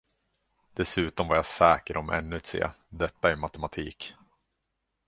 Dessutom var jag säker om ännu ett C, detta i matematik.